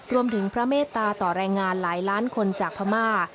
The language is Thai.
รวมถึงพระเมตตาต่อรายงานหลายล้านคนจากพม่า